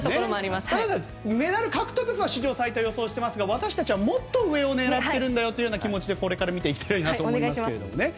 ただ、メダル獲得数は史上最多を予想していますが私たちは、もっと上を狙っているんだよという気持ちでこれから見ていきたいなと思います。